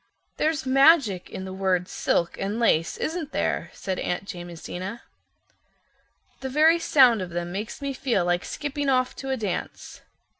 "There's magic in the words 'silk' and 'lace,' isn't there?" said Aunt Jamesina. "The very sound of them makes me feel like skipping off to a dance.